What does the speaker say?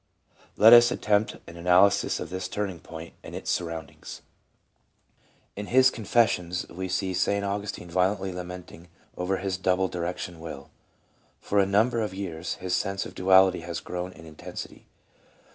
Let us attempt an analysis of this turning point and its surroundings. In his "Confessions" we see St. Augustine violently lamenting over his double direction will. For a number of years his sense of duality had grown in intensity.